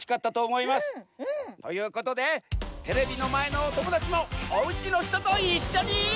うんうん！ということでテレビのまえのおともだちもおうちのひとといっしょに。